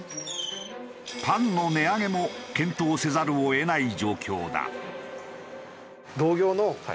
パンの値上げも検討せざるを得ない状況だ。